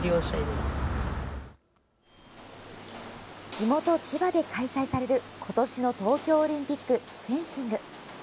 地元・千葉で開催される今年の東京オリンピックフェンシング。